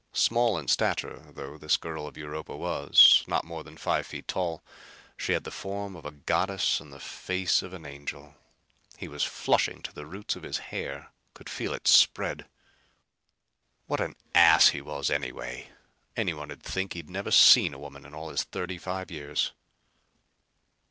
Small in stature though this girl of Europa was not more than five feet tall she had the form of a goddess and the face of an angel. He was flushing to the roots of his hair. Could feel it spread. What an ass he was anyway! Anyone'd think he'd never seen a woman in all his thirty five years!